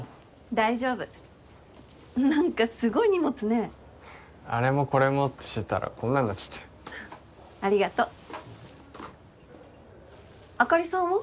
大丈夫何かすごい荷物ねあれもこれもってしてたらこんなんなっちゃってありがとうあかりさんは？